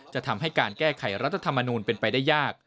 จะทำให้การแก้ไขรัฐธรรมนูลเป็นไปได้ยาก